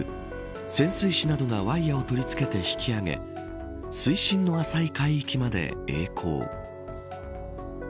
潜水士などがワイヤーを取り付けて、引き揚げ水深の浅い海域までえい航。